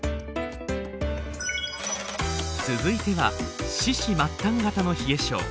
続いては四肢末端型の冷え症。